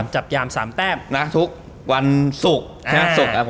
จับยาม๓แต้มนะทุกวันศุกร์